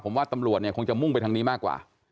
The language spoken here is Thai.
ผมว่าตำรวจเนี่ยคงจะมุ่งไปทางนี้มากกว่า